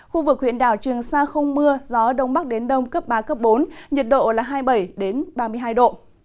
khu vực huyện đảo trường sa không mưa gió đông bắc đến đông cấp ba cấp bốn nhiệt độ là hai mươi bảy ba mươi hai độ